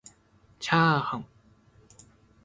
ちゃーはん